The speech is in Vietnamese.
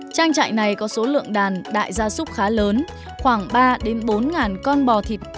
tranh trại này có số lượng đàn đại gia súc khá lớn khoảng ba bốn ngàn con bò thịt